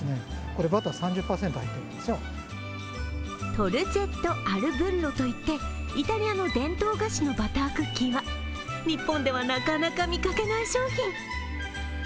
トルチェットアルブッロといってイタリアの伝統菓子のバタークッキーは日本ではなかなか見かけない商品。